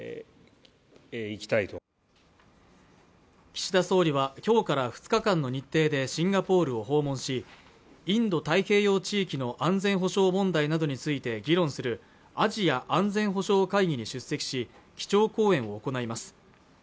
岸田総理は今日から２日間の日程でシンガポールを訪問しインド太平洋地域の安全保障問題などについて議論するアジア安全保障会議に出席し基調講演を行います